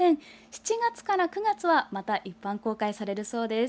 ７月から９月はまた一般公開されるそうです。